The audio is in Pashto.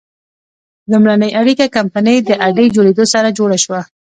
لومړنۍ اړیکه کمپنۍ د اډې جوړېدو سره جوړه شوه.